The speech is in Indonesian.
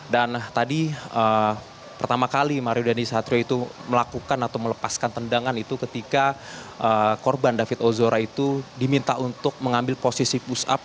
dan tadi pertama kali mario dandisatrio itu melakukan atau melepaskan tendangan itu ketika korban david ozora itu diminta untuk mengambil posisi push up